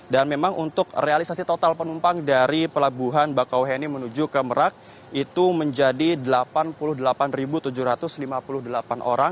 dan memang untuk realisasi total penumpang dari pelabuhan bakauheni menuju ke merak itu menjadi delapan puluh delapan tujuh ratus lima puluh delapan orang